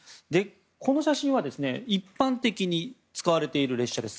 この写真は一般的に使われている列車です。